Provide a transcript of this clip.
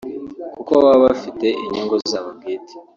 kuko baba bafite inyungu zabo bwite